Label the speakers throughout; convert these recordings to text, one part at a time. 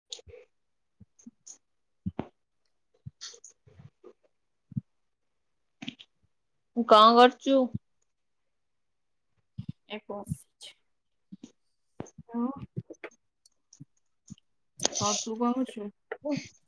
Speaker 1: [inaudible] କଣ କରୁଛୁ?
Speaker 2: ଏ ବସିଛି। ଆଉ? ହଁ ତୁ କଣ କରୁଛୁ?
Speaker 1: [inaudible]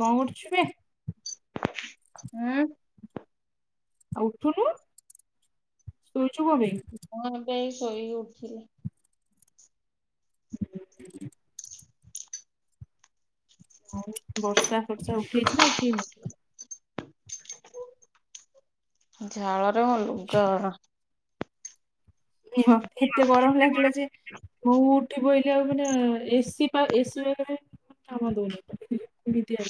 Speaker 2: କଣ କରୁଛୁ ବେ?
Speaker 1: ହୁଁ।
Speaker 2: ଆଉ ଉଠୁନୁ, ଶୋଇଛୁ କଣ ବେ।
Speaker 1: ହଁ ବେ ଏଇ ଶୋଇ ଉଠିଲି।
Speaker 2: [inaudible] ଆଉ ବର୍ଷା ଫର୍ଷା ଉଠେଇଛି ନା ଉଠେଇନି?
Speaker 1: ଝାଳରେ ମୋ ଲୁଗା ଗୁରା
Speaker 2: ଏ ମା ଏତେ ଗରମ ଲାଗିଲା ଯେ ମୁଁ ଉଠୁ ଉଠି ପଇଲି ଆଉ ପରା ଏସି ଏସି ପାଖେରେ କାମ ଦଉନିତ ବିତିବିତିଆ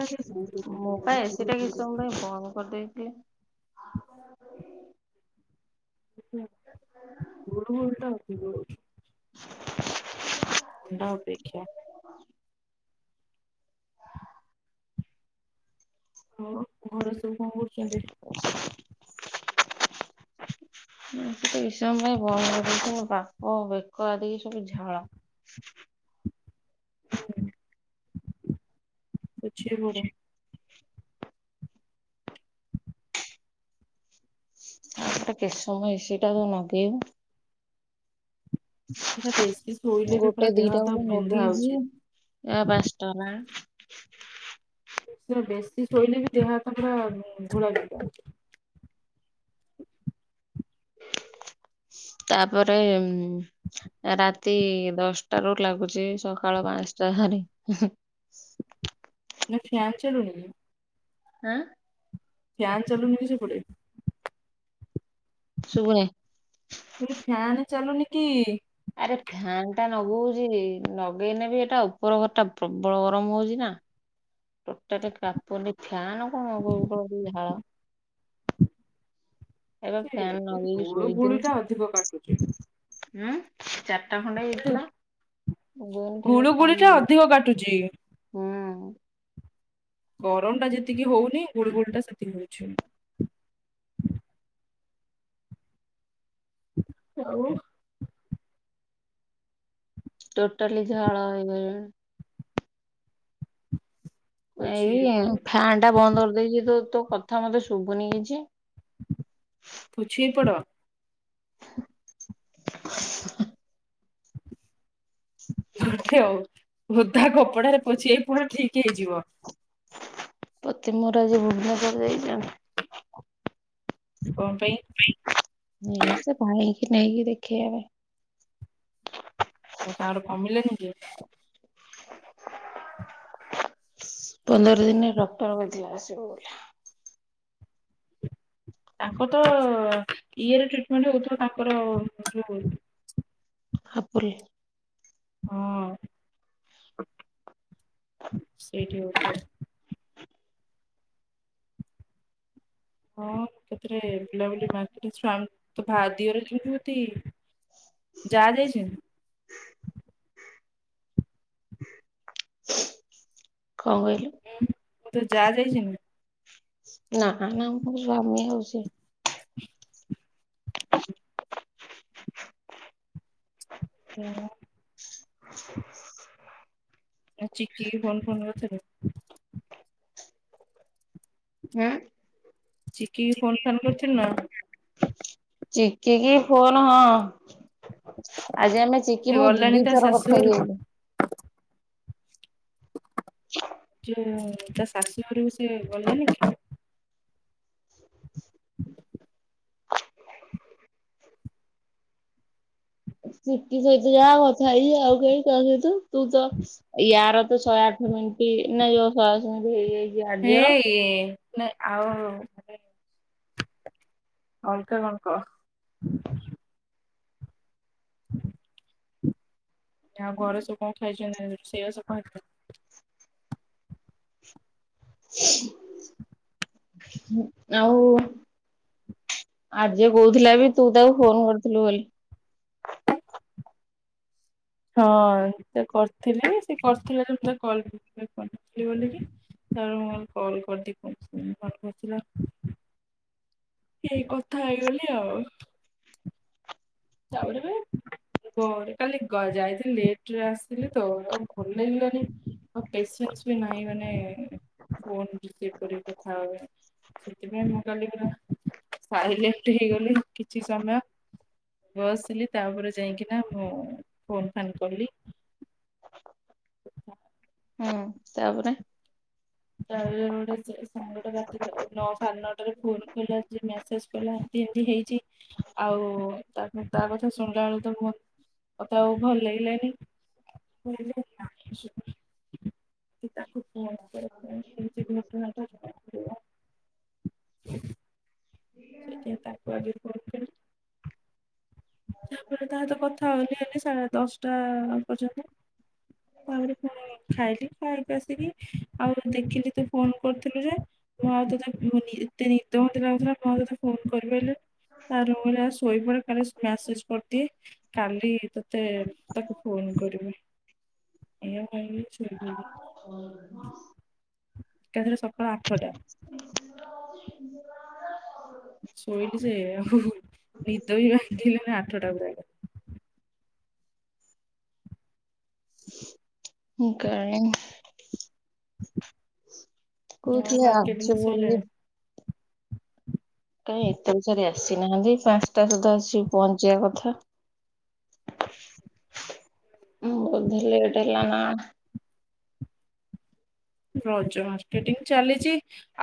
Speaker 2: ଲାଗୁଛି
Speaker 1: ମୁଁ ପା ଏସି ଟା କିଛି ସମୟ ପାଇଁ ବନ୍ଦ୍ କରିଦେଇଥିଲି। [inaudible]
Speaker 2: କିଛିନାଇଁ ଗୁଳୁଗୁଳି ଟା ହଉଚି ଗୁଳୁଗୁଳି
Speaker 1: [inaudible]
Speaker 2: [unintelligible] ଆଉ ଘର ସବୁ କଣ କରୁଛନ୍ତି?
Speaker 1: [inaudible] ହୁ କିଛିସମୟ ପାଇଁ ବନ୍ଦ୍ କରିଦେଲୁ ବାପ ବେକ ଆଡିକି ସବୁ ଝାଳ
Speaker 2: ହୁ ପୋଛିହେଇପଡ଼।
Speaker 1: ଆଉ ଏଟା କେତେ ସମୟ ଏ ସି ଟା କୁ ଲଗେଇବୁ
Speaker 2: ପୁରା ବେଶୀ ଶୋଇଲେ ବି ପୁରା
Speaker 1: ଗୋଟେ
Speaker 2: ଦେହ
Speaker 1: ଦିଟା
Speaker 2: ହାତ
Speaker 1: ବେଳୁ
Speaker 2: ବିନ୍ଧା ହଉଛି
Speaker 1: ନଗେଇଛି ଆ ପାଞ୍ଚଟା ହେଲାଣି।
Speaker 2: କିଛି ସମୟ ବେଶି ଶୋଇଲେ ବି ଦେହ ହାତ ପୁରା ଘୋଳାବିନ୍ଧା।
Speaker 1: ତାପରେ ରାତି ଦଶ୍ ଟାରୁ ଲାଗୁଛି ସକାଳ ପାଞ୍ଚଟା ହାରି ହୁ
Speaker 2: ନା ଫ୍ୟାନ୍ ଚାଲୁନି କି?
Speaker 1: ଆଁ?
Speaker 2: ପ୍ୟାନ୍ ଚାଲୁନି କି ସେ ପଟେ?
Speaker 1: ଶୁଭୁନି
Speaker 2: ମୁଁ କହିଲି ଫ୍ୟାନ୍ ଚାଲୁନି କି?
Speaker 1: ଆରେ ଫ୍ୟାନ୍ ଟା ନଗଉଛି ନଗେଇନେବି ଏଟା ଉପର ଘରଟା ପ୍ରବଳ ଗରମ ହଉଛି ନା। ଟୋଟାଲେ କାପୁନି ପ୍ୟାନ୍ କଣ ଗ ଗଉ ଗୁ ଝାଳ ଏଇବା
Speaker 2: ସେ
Speaker 1: ଫ୍ୟାନ୍ ଲଗେଇକି
Speaker 2: ଗୁଳୁ ଗୁଳି ଟା ଅଧିକ କାଟୁଛି।
Speaker 1: ଶୋଇଥିଲି ଚାରଟା ଖଣ୍ଡେ ହେଇଥିଲା ଗରମ୍ ଟିକେ
Speaker 2: ଗୁଳୁ ଗୁଳି
Speaker 1: କମ୍
Speaker 2: ଟା ଅଧିକ କାଟୁଛି
Speaker 1: ହୁଁ
Speaker 2: ଗରମ୍ ଟା ଯେତିକି ହୋଉନି
Speaker 1: ହୁଁ
Speaker 2: ଗୁଳୁଗୁଳି ଟା ସେତିକି ହୋଉଛି। ଆଉ
Speaker 1: ଟୋଟାଲି ଝାଳ ହେଇଗଲିଣି।
Speaker 2: ପୋଛେଇ
Speaker 1: ଏଇ
Speaker 2: ପଡ
Speaker 1: ଫ୍ୟାନ୍ ଟା ବନ୍ଦ କରିଦେଇଛି ତୁ ତୋ କଥା ମତେ ଶୁଭୁନି କିଛି
Speaker 2: ପୋଛି ହେଇ ପଡ଼। ଆଉ ଓଦା କପଡାରେ ପୋଛି ହେଇ ପଡ଼। ଠିକ ହେଇଯିବ।
Speaker 1: ପତି ମୋର ଆଜି ଭୁବନେଶ୍ୱର ଯାଇଚି ଆଉ।
Speaker 2: କଣ ପାଇଁ?
Speaker 1: ଏସେ ଭାଇକି ନେଇକି ଦେଖେଇବା ପାଇଁ।
Speaker 2: ଆଉ ତାଙ୍କର କମିଲାନି କି?
Speaker 1: ପନ୍ଦର ଦିନେ ଡକ୍ଟର କଇଥିଲା ଆସିବ ବୋଲି।
Speaker 2: ତାଙ୍କ ତ ଇଏରେ ଟ୍ରିଟମେଣ୍ଟ ହଉଥିବ ତାଙ୍କର ଯୋଉ।
Speaker 1: ଆପୁଲ୍।
Speaker 2: ହଁ। ସେଇଠି ହୋଇଥିବ। ହଁ ସେଥିରେ ବୁଲାବୁଲି ମାର୍କେଟ ସ୍ଵା ତ ଭହା ଦିଅରେ କିଭାତି। ଯାଆ ଯାଇଚନ୍ତି।
Speaker 1: କଣ କଇଲୁ?
Speaker 2: ତୋ ଯାଆ ଯାଇଚନ୍ତି।
Speaker 1: ନା ନା ମୋ ସ୍ୱାମୀ ଆଉ ସେ।
Speaker 2: [unintelligible] ଚିକି କି ଫୋନ ଫୋନ୍ କରିଥିଲୁ। ଚିକି କି ଫୋନ୍ ଫାନ୍ କରିଥିଲୁ ନା?
Speaker 1: ଚିକିକି ଫୋନ ହଁ ଆଜି ଆମେ ଚି କି
Speaker 2: ସେ
Speaker 1: ମୁଁ ଦି
Speaker 2: ଗଲାଣି
Speaker 1: ଦି
Speaker 2: ତା
Speaker 1: ଥର
Speaker 2: ଶାଶୁ
Speaker 1: କଥା
Speaker 2: ଘରକୁ
Speaker 1: ହେଇଯାଇଛି।
Speaker 2: ସିଏ ତା ଶାଶୁ ଘରକୁ ସେ ଗଲାନି କି?
Speaker 1: ଚିକି ସହିତ ଯାହା କଥା ହେଇିଚି ଆଉ କାଇଁ କା ସହିତ ତୁ ତ ୟାର ତ ଶଏ ଆଠ ମିନିଟ୍ ନା ଯୋଉ [inaudible] ଶହେ ଆଠ ମିନିଟ୍ ହେଇଯାଇଚି।
Speaker 2: ହେ ଇଏ ନାଇଁ ଆଉ ମାନେ ଅଲଗା କଣ କହ? ଆଉ ଘରେ ସବୁ କଣ ଖାଇଛନ୍ତି ରୋଷେଇ ବାସ କଣ ହେଇଥିଲା?
Speaker 1: ଆଉ ଆର୍ଜେ କହୁଥିଲା ବି ତୁ ତାକୁ ଫୋନ କରିଥିଲୁ ବୋଲି।
Speaker 2: ହଁ ସେତ କରିଥିଲି। ସେ କରିଥିଲା ମୁଁ ତା କଲ ରିସିଭ୍ କରିନଥିଲି ବୋଲିକି। ତେଣୁ ମୁଁ କରିଦେଲି କରିଦିଏ [inaudible] କଲ୍ କରିଥିଲା। ଏଇ କଥା ହେଇଗଲି ଆଉ। [inaudible] କାଲି ଯାଇଥିଲି ଲେଟ ରେ ଆସିଲି ତ? ଭଲ ଲାଗିଲାନି। ଆଉ ପେସେନ୍ସ ବି ନାହିଁ ମାନେ ଫୋନ୍ ରିସିଭ୍ କରିକି କଥା ହବା ପାଇଁ। ସେଥିପାଇଁ ମୁଁ କାଲି ପୁରା ସାଇଲେଣ୍ଟ ହେଇଗଲି କିଛି ସମୟ। ବସିଲି ତାପରେ ଯାଇକିନା ମୁଁ ଫୋନ ଫାନ୍ କଲି।
Speaker 1: ହୁଁ ତାପରେ।
Speaker 2: ଯାହାବି ହେଲେ ଗୋଟେ ସେ ସାଙ୍ଗଟେ ରାତି ନଅ, ସାଢେ ନଅଟାରେ ଫୋନ୍ କଲା ଯେ ମେସେଜ କଲା ଏମିତି ଏମିତି ହେଇଛି। ଆଉ ତାପ ତା କଥା ଶୁଣିଲା ବେଳକୁତ ବୋହୁତ୍ ମତେ ଆଉ ଭଲ ଲାଗିଲାନି। [inaudible] ତାକୁ ଫୋନ୍ କର। ଏମିତି ଘଟଣା ଟା ଘଟିଲା। [inaudible] ସେଇଥି ପାଇଁ ତାକୁ ଆଗେ କୁହ ତାପରେ ତାହା ତ କଥା ହଉନି [inaudible] ହେ ସାଢେ ଦଶଟା ପର୍ଯ୍ୟନ୍ତ? ତାପରେ ଫୁଣି ଖାଇଲି। ଖାଇକି ଆସିକି ଆଉ ଦେଖିଲି ତୁ ଫୋନ କରିଥିଲୁ ଯେ! ମୁଁ ଆଉ ତତେ [inaudible] ମତେ ନିଦ ବୋହୁତ ଲାଗୁଥିଲା ମୁଁ ଆଉ ତୋତେ ଫୋନ କରିପାରିଲିନି। ତା [inaudible] ରହ ଶୋଇପଡେ କାଲି ସକାଳ ମ୍ୟାସେଜ କରିଦିଏ। କାଲି ତୋତେ ତାକୁ ଫୋନ କରିବି। ଏଇଆ ଭାବି ଶୋଇପଡିଲି।
Speaker 1: ହୁଁ
Speaker 2: କାଲିର ସକାଳ ଆଠରଟା। ଶୋଇଲିି ସେ ଆଉ ନିଦ ବି ଭାଙ୍ଗିଲାନି [inaudible] ଆଠଟା ପୁରା।
Speaker 1: [unintelligible]
Speaker 2: ଆଉ
Speaker 1: କହୁଥିଲେ
Speaker 2: ମାର୍କେଟିଂ
Speaker 1: ଆଜି ବୋଲି।
Speaker 2: ସଇଲାଣି
Speaker 1: କାଇ ଏତେ [inaudible] ସାରି ଆସିନାହାନ୍ତି ପାଞ୍ଚଟା ସୁଦ୍ଧା ଆସ ପହଞ୍ଚିବା କଥା! ହଁ [inaudible]
Speaker 2: ରଜ ମାର୍କଟିଂ ଚାଲିଛି।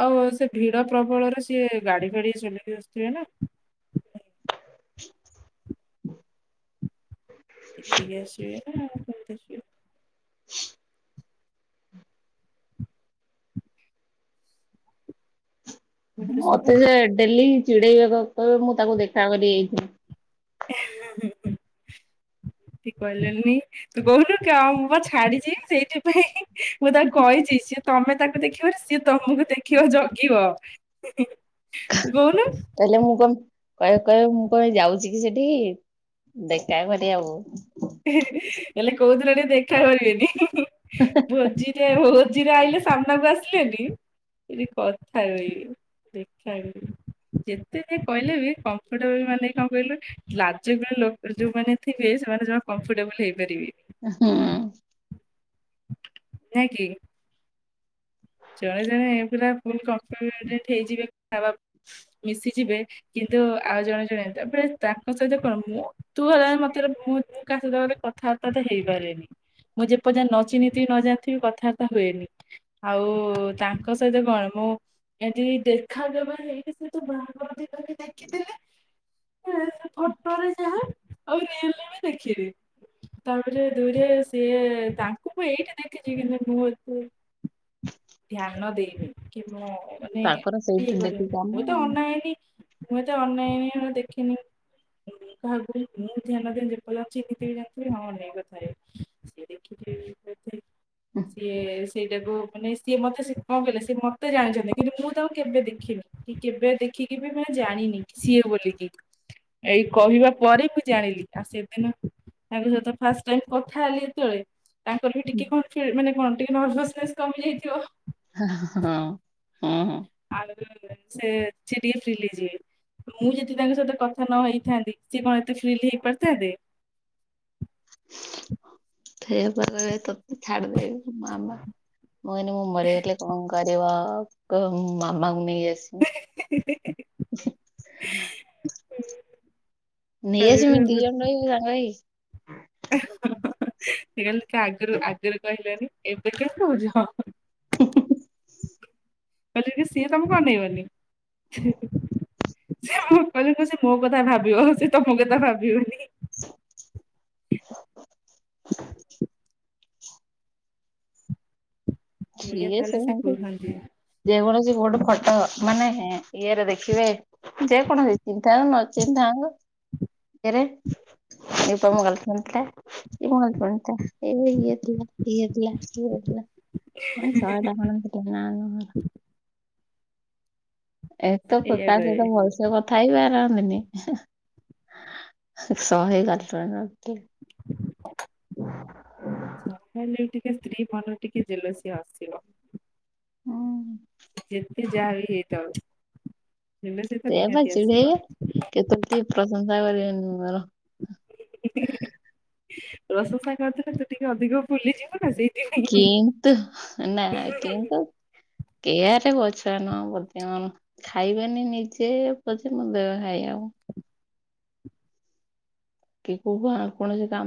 Speaker 2: ଆଉ ସେ ଭିଡ ପ୍ରବଳରେ ସିଏ ଗାଡି ଫାଡି ଚଲେଇି ଆସୁଥିବେ ନା? ଦେଖିକି ଆସିବେ ନାଉ କେମିତି ଆସିବେ? ଏଗୁଡା ସବୁ
Speaker 1: ମତେ ସେ ଡେଲି ଚିଡେଇବେ କହିବେ ମୁଁ ତାକୁ ଦେଖା କରି ଯାଇଥିଲ।
Speaker 2: ସେଠି କହିଲେନି ତୁ କହୁନୁ କା ମୁଁ ବା ଛାଡିଚି ସେଇଥିପାଇଁ ମୁଁ ତାକୁ କହିଚି ସ ତମେ ତାକୁ ଦେଖିବ ନା ସିଏ ତମକୁ ଦେଖିବ ଜଗିବ ତୁ କହୁନୁ।
Speaker 1: କହିଲେ ମୁଁ କଣ କହେ କହିଲେ ମୁଁ କଣ ଯାଉଚି କି ସେଠିକି ଦେଖା କରି ଆକୁ।
Speaker 2: ହେଲେ କୋଉଦିନ ଟିକେ ଦେଖା କରିବେନି ଭୋଜି ଯେ ଭୋଜିରେ ଆଇଲେ ସାମ୍ନାକୁ ଆସିଲେନି ଏଠି କଥା କହିବେ। ଦେଖ କରିବେ ଯେତେ ଯିଏ କହିଲେ ବି କମ୍ଫର୍ଟେବଲ ମାନେ କଣ କହିଲୁ ଲାଜକୁଳା ଲୋକ ଯୋଉମାନେ ଥିବେ ସେମାନେ ଜମା କମ୍ଫର୍ଟେବଲ ହେଇପାରିବେନି।
Speaker 1: ହୁଁ।
Speaker 2: ନା କି? ଜଣେ ଜଣେ ଏ ପୁରା ଫୁଲ କମ୍ଫଡେଣ୍ଟ ହେଇଯିବେ କଥା ପା ମିଶିଯିବେ। କିନ୍ତୁ ଆଉ ଜଣେ ଜଣେ ତାପରେ ତାଙ୍କ ସହିତ କଣ ମୁଁ ତୁ ହେଲା ମତେ ରେ ମୁଁ ମୁଁ କାହା ସାତରେ କଥାବାର୍ତ୍ତା ତ ହେଇପାରେନି। ମୁଁ ଯେ ପର୍ଯ୍ୟନ୍ତ ନ ଚିହିଁଥିବି ନ ଜାଣିଥିବି କଥାବାର୍ତ୍ତା ହୁଏନି। ଆଉ ତାଙ୍କ ସହିତ କଣ ମୁଁ ଏମିତି ଦେଖା ଦେବା ହେଇକି ସେ ତୋ ବାହାଘର ଦିନ ତା ପରେ ଦେଖିଦେଲେ ଏ ସେ ଫଟୋରେ ଯାହା ଆଉ ରିୟଲ ରେ ଦେଖିଲେ। ତାପରେ ଦୁଇରେ ସିଏ ତାଙ୍କୁ ମୁଁ ଏଇଠି ଦେଖିଛି କିନ୍ତୁ ମୁଁ ଏତେ ଧ୍ୟାନ ଦେଇନି କି ମୁଁ ମାନେ
Speaker 1: ତାଙ୍କର ସେଇଠି
Speaker 2: ଇଏ
Speaker 1: ଡେଲି
Speaker 2: କରିବି
Speaker 1: କାମ
Speaker 2: ମୁଁ ତ
Speaker 1: ଆଉ।
Speaker 2: ଅନାଏନି। ମୁଁ ଏତେ ଅନାଏନି ଦେଖିନି। ମୁଁ କାହାକୁ ବି ମୁଁ ଧ୍ୟାନ ଦିଏନି ଯେ ପର୍ଯନ୍ତ ଅଛି ଏମିତି ବି ଜାଣିଥିବି ହଁ ଏ ଅନେଇକି କଥାହବୁ। ସି ଦେଖିକି ସିଏ ସେଇଟାକୁ ମାନେ ସେ ସିଏ ମତେ ସେ କଣ କହିଲେ ସିଏ ମତେ ଜାଣିଚନ୍ତି କିନ୍ତୁ ମୁଁ ତାଙ୍କୁ କେବେ ଦେଖିନି। କି କେବେ ଦେଖିକି ବି ମୁଁ ଜାଣିନି କି ସିଏ ବୋଲିକି। ଏଇ କହିବା ପରେ ମୁଁ ଜାଣିଲି ଆଉ ସେଦିନ ତାଙ୍କ ସହିତ ଫାଷ୍ଟ ଟାଇମ କଥା ହେଲି ଯେତେବେଳେ ତାଙ୍କର ବି ଟିକେ କଣ ଫିଲ ମାନେ କଣ ଟିକେ ନର୍ଭସନେସ୍ କମି ଯାଇଥିବ।
Speaker 1: ହଁ ହଁ ହଁ।
Speaker 2: [unintelligible] ମୁଁ ଯଦି ତାଙ୍କ ସହିତ କଥା ନ ହେଇଥାନ୍ତି ସିଏ କଣ ଏତେ ଫିର୍ଲଡ ହେଇ ପାରିଥାନ୍ତେ।
Speaker 1: ଫେରେ ପା କହିବେ ତତେ ଛାଡିଦେବି ମାମା ମୁଁ କିନି ମୁଁ ମାରିବାକୁ ଯାଇଥିଲି ତମ ଘରେ ବାହା ହବାକୁ କହିଲେ ମୁଁ ମାମାକୁ ନେଇ ଆସି ହ
Speaker 2: ହୁଁ।
Speaker 1: ନେଇ ଆସିମି ଦି ଜଣ ରହିବୁ ସାଙ୍ଗ ହେଇକି।
Speaker 2: ସେ କହିଲେ ଟିକେ ଆଗରୁ ଆଗରୁ କହିଲନି ଏବେ କାହିଁ କହୁଛ।
Speaker 1: ହ
Speaker 2: କହିଲନି ସିଏ ତମକୁ ଅନେଇବନି। ସେ ହଁ କହିଦବ ସେ ମୋ କଥା ଭାବିବ ସେ ତମ କଥା ଭାବିବନି। ଏଇଆ
Speaker 1: କିଏ
Speaker 2: ତାହେଲେ ସେ
Speaker 1: ଶୁଣୁଚି।
Speaker 2: କୁହନ୍ତି ଏଇଆ
Speaker 1: ଯେକୌଣସି ଗୋଟେ ଫଟ ମାନେ ହେଁ ଇଏରେ ଦେଖିବେ ଯେକୌଣସି ଚିହିଁଥାନ୍ତୁ ନ ଚିହିଁଥାନ୍ତୁ ନ୍ତୁ ରେ ଏଇ ଟା ମୋ ଗଲଫ୍ରେଣ୍ଡ୍ ଟା। ଏଇ ମୋ ଗଲଫ୍ରେଣ୍ଡ୍ ଟା ଏ ଇଏ ଥିଲା ଇଏ ଥିଲା। ଥିଲା ନା ଶହେ ଟଙ୍କାର ତ ମୁଁ କେବେ ଆଣିନି। [unintelligible] ସେ କଥା
Speaker 2: କହିବେ
Speaker 1: ହେଇପିନ୍ତିନି ଶହେ [unintelligible]
Speaker 2: ନାଇଁ ନାଇଁ ଟିକେ ସ୍ତ୍ରୀ ମନରେ ଟିକେ ଜେଲସି ଆସିବ। ଯେତେ ଯା ବି ହେଇଯାଉ। ଜେଲସି ତ
Speaker 1: ସେଇଆ ପା
Speaker 2: ନିହାତି
Speaker 1: ଚିଡେଇବେ
Speaker 2: ଆସିବ।
Speaker 1: କେତେବେଳେ ଟିକେ ପ୍ରଶଂସା କରିବେନି ମୋର।
Speaker 2: ପ୍ରଶଂସା କରିଥିଲେ ତ ଟିକେ ଅଧିକ ଭୁଲିଯିବ ନା ସେଇ
Speaker 1: କିନ୍ତୁ ନା କିନ୍ତୁ [inaudible] ଖାଇବେନି ନିଜେ ପଛେ ମତ୍ ଦେବେ ଖାଇବାକୁ। [unintelligible] କୌଣସି କାମ